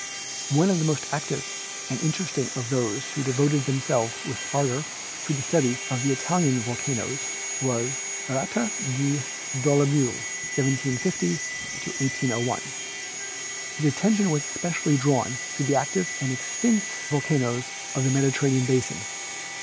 One of the most active and interesting of those who devoted themselves with ardor to the study of the Italian volcanoes was Gratet de Dolomieu (1750 1801). His at tention was especially drawn to the active and extinct 70 GEOLOGY volcanoes of the Mediterranean basin.